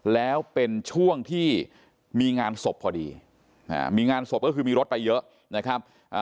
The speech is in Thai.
แล้วเป็นช่วงที่มีงานศพพอดีมีงานศพก็คือมีรถไปเยอะนะครับ